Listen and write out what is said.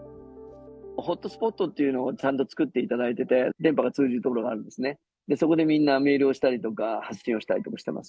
ホットスポットっていうのをちゃんと作っていただいてて、電波がつうじる所があるんですね、そこでみんな、メールをしたりとか、発信をしたりとかしています。